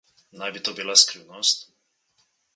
Naj bi to bila skrivnost?